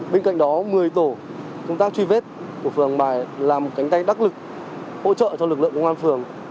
bên cạnh đó một mươi tổ chúng ta truy vết của phường hàng bài làm một cánh tay đắc lực hỗ trợ cho lực lượng công an phường